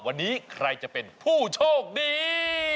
วันนี้ใครจะเป็นผู้โชคดี